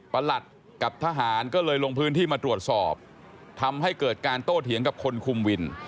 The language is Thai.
ประหลัดกับทหารก็เลยลงพื้นที่มาตรวจสอบทำให้เกิดการโต้เถียงกับคนคุมวิน